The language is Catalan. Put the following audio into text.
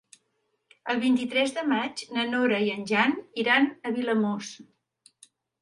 El vint-i-tres de maig na Nora i en Jan iran a Vilamòs.